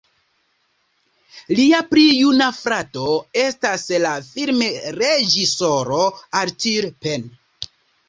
Lia pli juna frato estas la filmreĝisoro Arthur Penn.